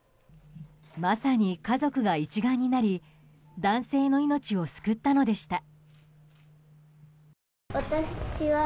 まさに家族が一丸になり男性の命を救ったのでした。